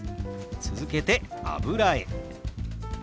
続けて「油絵」。